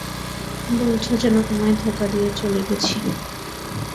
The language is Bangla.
বলছো যেন তোমায় ধোকা দিয়ে চলে গেছি।